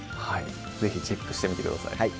はい是非チェックしてみて下さい。